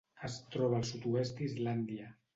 Es troba al sud-oest d'Islàndia.